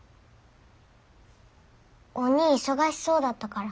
おにぃ忙しそうだったから。